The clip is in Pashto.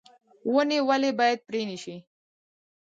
ونې ولې باید پرې نشي؟